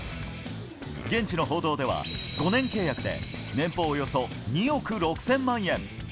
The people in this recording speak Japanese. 現地の報道では、５年契約で年俸およそ２億６０００万円。